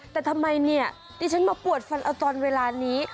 แต่ทำไมเนี่ยได้ชั้นปวดฟันอะตอนเวลานี้